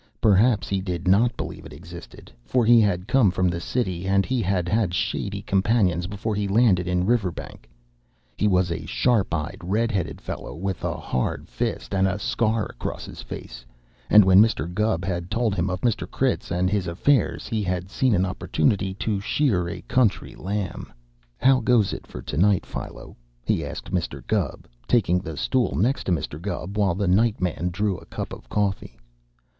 Perhaps he did not believe it existed, for he had come from the city, and he had had shady companions before he landed in Riverbank. He was a sharp eyed, red headed fellow, with a hard fist, and a scar across his face, and when Mr. Gubb had told him of Mr. Critz and his affairs, he had seen an opportunity to shear a country lamb. "How goes it for to night, Philo?" he asked Mr. Gubb, taking the stool next to Mr. Gubb, while the night man drew a cup of coffee.